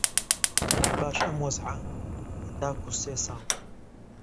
لەپاش ئەم وەزعە هەتاکوو سێ ساڵ